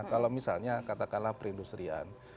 kalau misalnya katakanlah perindustrian